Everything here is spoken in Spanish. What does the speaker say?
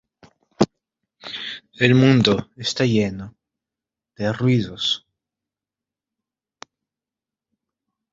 El mundo está lleno de ruidos.